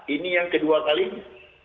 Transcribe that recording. ini yang kedua kali ini